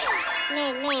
ねえねえ